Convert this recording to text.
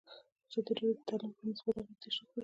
ازادي راډیو د تعلیم په اړه مثبت اغېزې تشریح کړي.